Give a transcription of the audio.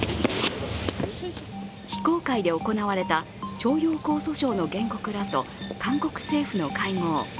非公開で行われた徴用工訴訟の原告らと韓国政府の会合。